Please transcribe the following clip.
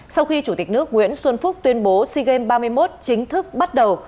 sau khi chủ tịch nước nguyễn xuân phúc tuyên bố sea games ba mươi một chính thức bắt đầu